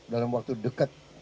dalam waktu dekat